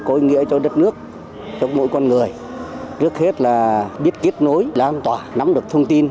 có ý nghĩa cho đất nước cho mỗi con người trước hết là biết kết nối lan tỏa nắm được thông tin